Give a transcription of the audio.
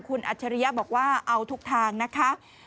คุณอัจฉริยะบอกว่าเอาทุกทางนะคะ